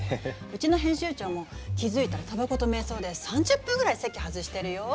うちの編集長も気付いたらたばこと瞑想で３０分くらい席外してるよ。